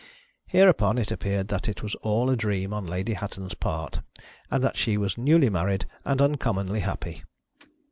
Hereupon it appeared that it was all a dream on Lady Hatton' s part, and that she was newly married and uncommonly happy.